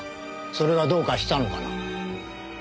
それがどうかしたのかな？